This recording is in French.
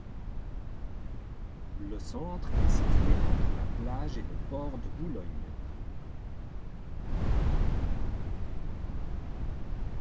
Le centre est situé entre la plage et le port de Boulogne.